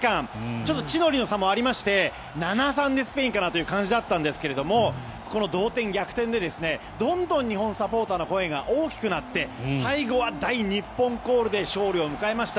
ちょっと地の利の差もありまして７対３でスペインかなという感じだったんですがこの同点、逆転でどんどん日本サポーターの声が大きくなって最後は大日本コールで勝利を迎えました。